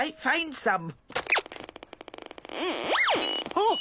あっ！